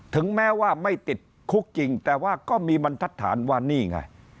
ถึงแม้ว่าไม่ติดคุกจริงแต่ว่าก็มีบรรทัศน์ว่านี่ไง